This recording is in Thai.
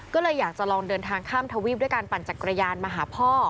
ก็เลยอยากจะลองเดินทางข้ามทวีปด้วยการปั่นจักรยานมาหาพ่อ